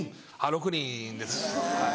６人です。